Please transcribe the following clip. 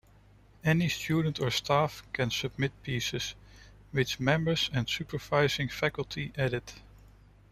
Any student or staff can submit pieces, which members and supervising faculty edit.